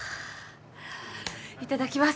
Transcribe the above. いただきます。